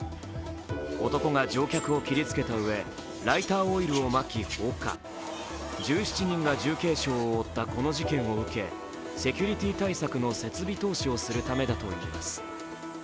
男が乗客を切りつけたうえ、ライターオイルをまき放火、１７人が重軽傷を負ったこの事件を受け、セキュリティー対策の設備投資をするためだといいます。